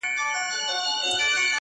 پر طالع دي برابر هغه لوی ښار سي!!